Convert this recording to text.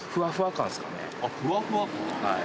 はい。